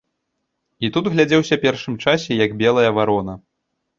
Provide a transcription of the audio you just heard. І тут глядзеўся першым часе як белая варона.